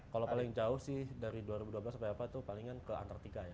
kalau paling jauh sih dari dua ribu dua belas sampai apa itu palingan ke antartika ya